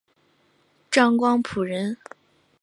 张光辅人。